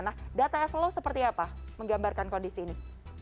nah data evelo seperti apa menggambarkan kondisi ini